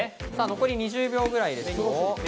残り２０秒くらいです。